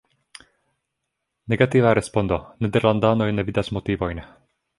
Negativa respondo- nederlandanoj ne vidas motivojn.